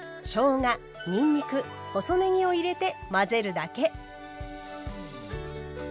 にんにく細ねぎを入れて混ぜるだけ。